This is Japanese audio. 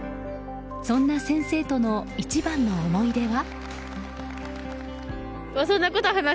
そんな先生との一番の思い出は。